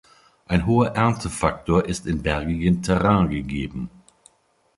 Ein hoher Erntefaktor ist in bergigen Terrain gegeben.